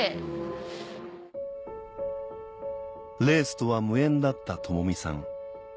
レースとは無縁だった友美さん